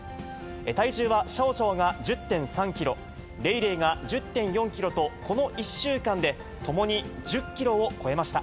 体重はシャオシャオが１０．３キロ、レイレイが１０．４キロと、この１週間でともに１０キロを超えました。